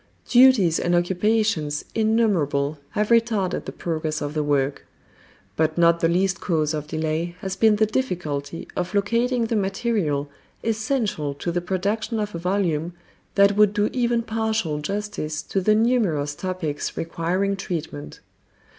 Duties and occupations innumerable have retarded the progress of the work. But not the least cause of delay has been the difficulty of locating the material essential to the production of a volume that would do even partial justice to the numerous topics requiring treatment.